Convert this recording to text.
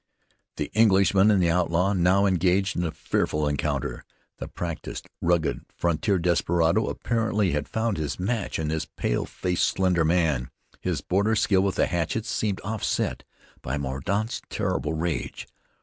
The Englishman and the outlaw now engaged in a fearful encounter. The practiced, rugged, frontier desperado apparently had found his match in this pale faced, slender man. His border skill with the hatchet seemed offset by Mordaunt's terrible rage.